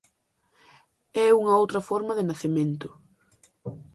É unha outra forma de nacemento.